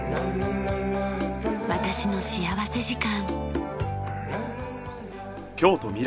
『私の幸福時間』。